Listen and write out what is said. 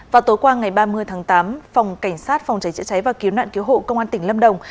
vào tối qua ngày ba mươi tháng tám phòng cảnh sát phòng cháy chữa cháy và cứu nạn cứu hộ công an tỉnh lâm đồng